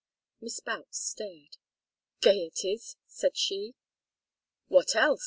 Miss Boutts stared. "Gayeties?" said she. "What else?